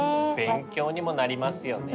勉強にもなりますよね。